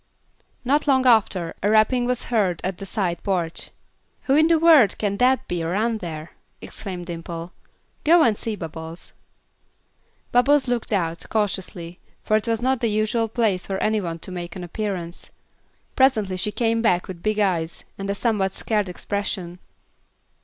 Not long after, a rapping was heard at the side porch. "Who in the world can that be around there!" exclaimed Dimple. "Go and see, Bubbles." Bubbles looked out, cautiously, for it was not the usual place for any one to make an appearance. Presently she came back with big eyes and a somewhat scared expression.